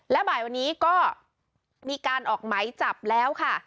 และบ่ายวันนี้ก็มีการออกไหมจับแล้วค่ะ